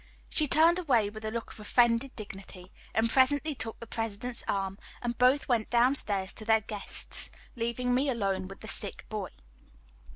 She turned away with a look of offended dignity, and presently took the President's arm, and both went down stairs to their guests, leaving me alone with the sick boy.